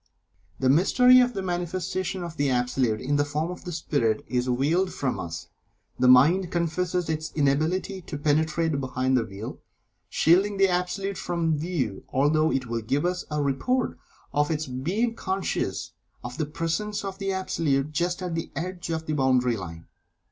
The mystery of the manifestation of the Absolute in the form of the Spirit, is veiled from us the mind confesses its inability to penetrate behind the veil shielding the Absolute from view, although it will give us a report of its being conscious of the presence of the Absolute just at the edge of the boundary line.